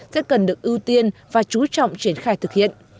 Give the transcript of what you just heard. sẽ cần được ưu tiên và chú trọng triển khai thực hiện